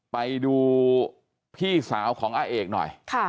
ไปดูพี่สาวของอาเอกสรพงศ์หน่อยค่ะ